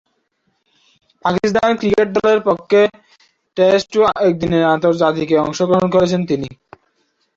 Pakistan cricket দলের পক্ষে test ও একদিনের আন্তর্জাতিকে অংশগ্রহণ করেছেন তিনি।